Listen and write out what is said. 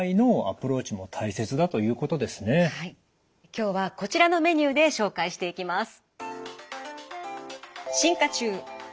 今日はこちらのメニューで紹介していきます。